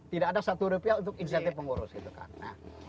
tidak ada satu rupiah untuk insentif pengurus gitu kan